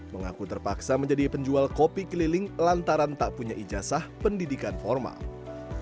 mengaku terpaksa menjadi penjual kopi keliling lantaran tak punya ijazah pendidikan formal